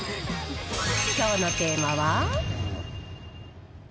きょうのテーマは。